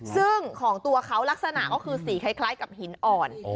ซึ่งของตัวเขาลักษณะก็คือสีคล้ายกับหินอ่อน